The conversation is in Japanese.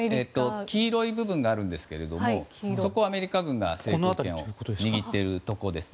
黄色い部分があるんですがそこはアメリカ軍が制空を握っているところです。